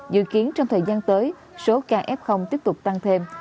dự kiến trong thời gian tới số ca ép không tiếp tục tăng thêm